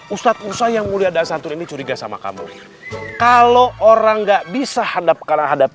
ustadz ustadz yang mulia dan santun ini curiga sama kamu kalau orang nggak bisa hadapkan hadap